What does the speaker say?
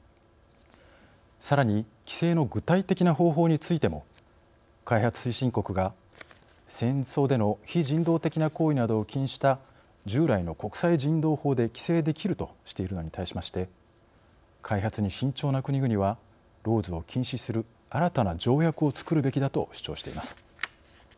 さらに、規制の具体的な方法についても開発推進国が戦争での非人道的な行為などを禁じた従来の国際人道法で規制できるとしているのに対しまして開発に慎重な国々はＬＡＷＳを禁止する新たな条約をつくるべきだと主張しています。